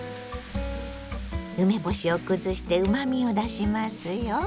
梅干しを崩してうまみを出しますよ。